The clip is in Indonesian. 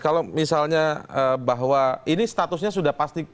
kalau misalnya bahwa ini statusnya sudah pasti